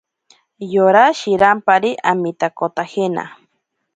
Yora shirampari amitakotajena.